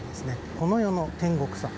この世の天國さん。